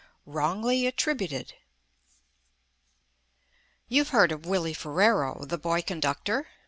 "WRONGLY ATTRIBUTED" You've heard of Willy Ferrero, the Boy Conductor?